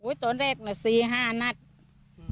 ตอนแรกน่ะสี่ห้านัดอืม